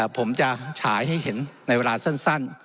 ผมจะฉายให้เห็นในเวลาสั้น